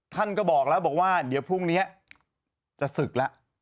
ท่านก็บอกแล้วบอกว่าเดี๋ยวพรุ่งนี้จะศึกแล้ว